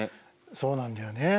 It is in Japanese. そうなんだよね。